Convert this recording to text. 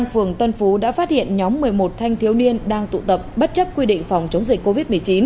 phường tân phú đã phát hiện nhóm một mươi một thanh thiếu niên đang tụ tập bất chấp quy định phòng chống dịch covid một mươi chín